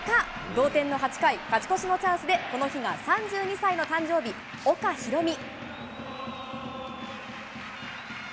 同点の８回、勝ち越しのチャンスで、この日が３２歳の誕生日、岡大海。